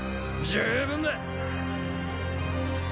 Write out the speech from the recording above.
十分だ！